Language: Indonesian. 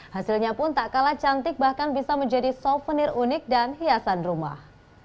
hasilnya pun tak kalah cantik bahkan bisa menjadi souvenir unik dan hiasan rumah